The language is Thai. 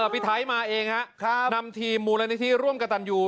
พี่ไทยมาเองฮะนำทีมมูลนิธิร่วมกับตันยู